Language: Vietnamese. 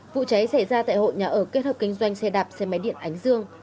vụ cháy xảy ra tại hội nhà ở kết hợp kinh doanh xe đạp xe máy điện ánh dương